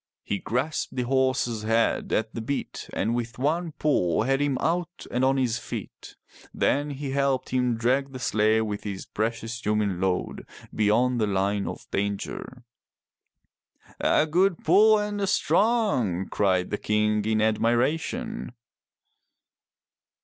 He grasped the horse's head at the bit, and with one pull had him out and on his feet. Then he helped him drag the sleigh with its precious human load beyond the line of danger. A good pull and a strong!'' cried the King in admiration.